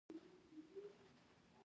تنور د پخلي له بوی سره یادونه راولي